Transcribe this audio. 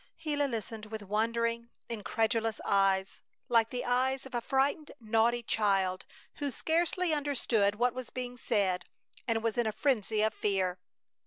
Gila listened with wondering, incredulous eyes, like the eyes of a frightened, naughty child who scarcely understood what was being said and was in a frenzy of fear.